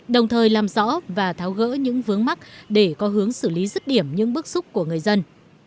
đồng thời làm rõ và tháo gỡ những vướng mắt để có hướng xử lý rứt điểm những bước xúc của người dân